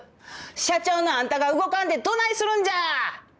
社長のあんたが動かんでどないするんじゃー！